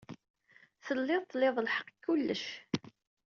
Tellid tlid lḥeqq deg kullec.